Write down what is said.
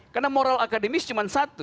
karena moral akademis cuma satu